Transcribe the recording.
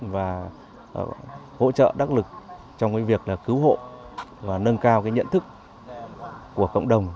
và hỗ trợ đắc lực trong việc cứu hộ và nâng cao nhận thức của cộng đồng